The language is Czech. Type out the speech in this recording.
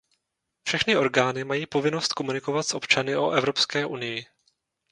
Všechny orgány mají povinnost komunikovat s občany o Evropské unii.